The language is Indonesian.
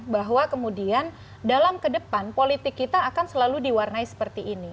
bahwa kemudian dalam ke depan politik kita akan selalu diwarnai seperti ini